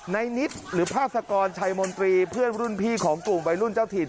นิดหรือพาสกรชัยมนตรีเพื่อนรุ่นพี่ของกลุ่มวัยรุ่นเจ้าถิ่น